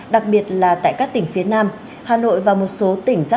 đặc biệt là tại các tỉnh phía nam hà nội và một số tỉnh